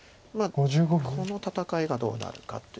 この戦いがどうなるかという。